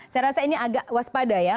saya rasa ini agak waspada ya